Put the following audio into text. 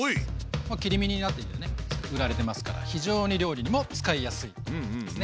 切り身になっていてね売られてますから非常に料理にも使いやすいですね。